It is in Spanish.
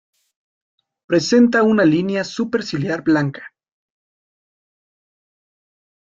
Presenta una línea superciliar blanca.